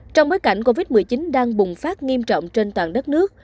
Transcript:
trong bối cảnh covid một mươi chín đang bùng phát nghiêm trọng trên toàn đất nước